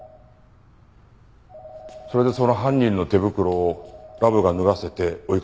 それでその犯人の手袋をラブが脱がせて追いかけた。